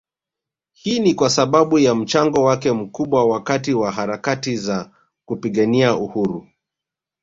Hii ni kwasababu ya mchango wake mkubwa wakati wa harakati za kupigania uhuru